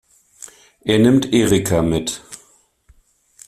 Er nimmt Erica mit.